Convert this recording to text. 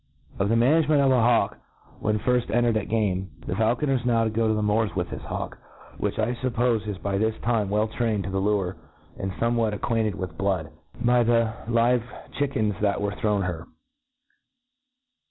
Of the Management of a Hawk ivhenfirji en^ tered at Game. .THE faulconer is now to go .to the moori with his hawk, which I fuppofe is by this time well trained to the lure, and fomewhat acquaint* cd with blood, by the live chickens that were thrown her.